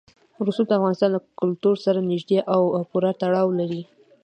رسوب د افغانستان له کلتور سره نږدې او پوره تړاو لري.